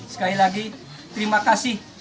sekali lagi terima kasih